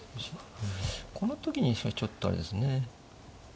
この時にちょっとあれですね。